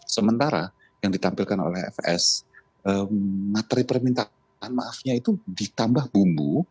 sementara yang ditampilkan oleh fs materi permintaan maafnya itu ditambah bumbu